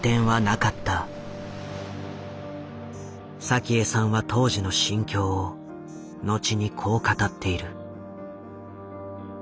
早紀江さんは当時の心境を後にこう語っている。